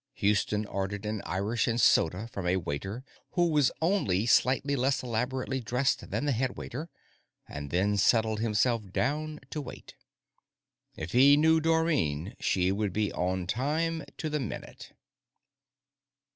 Houston ordered an Irish and soda from a waiter who was only slightly less elaborately dressed than the headwaiter, and then settled himself down to wait. If he knew Dorrine, she would be on time to the minute.